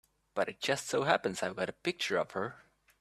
But it just so happens I've got a picture of her.